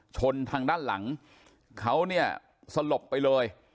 ชนทางด้านหลังเขาเนี่ยสลบไปเลย